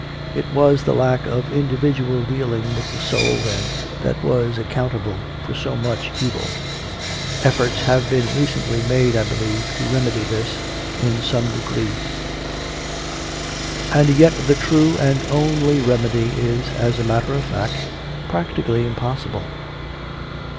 It was the lack of individual dealing with the soul, then, that was accountable for so much evil. Efforts have been recently made, I believe, to remedy this in some degree; and yet the true and only remedy is, as a matter of fact, practically impossible.